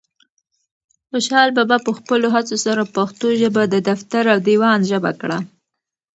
خوشحال بابا په خپلو هڅو سره پښتو ژبه د دفتر او دیوان ژبه کړه.